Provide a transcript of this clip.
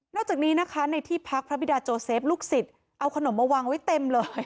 จากนี้นะคะในที่พักพระบิดาโจเซฟลูกศิษย์เอาขนมมาวางไว้เต็มเลย